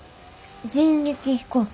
人力飛行機。